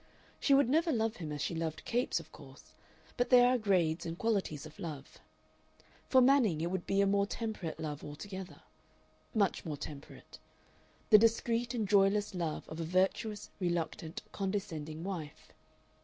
She would never love him as she loved Capes, of course, but there are grades and qualities of love. For Manning it would be a more temperate love altogether. Much more temperate; the discreet and joyless love of a virtuous, reluctant, condescending wife.